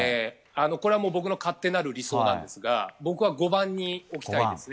これは僕の勝手なる理想なんですが僕は５番に置きたいですね。